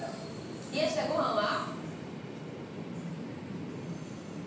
冷やしたご飯は？